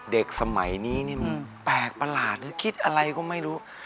เด็กสมัยนี้แปลกประหลาดคิดอะไรก็ไม่รู้